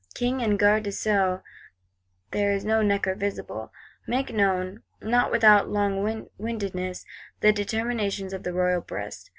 King and Garde des Sceaux (there is no Necker visible) make known, not without longwindedness, the determinations of the royal breast.